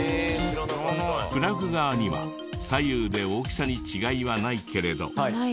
プラグ側には左右で大きさに違いはないけれど。